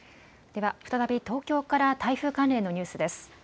では、再び東京から台風関連のニュースです。